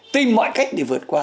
tìm mọi cách để vượt qua